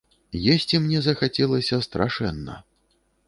Есці мне захацелася страшэнна.